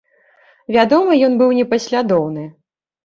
Вядома, ён быў непаслядоўны.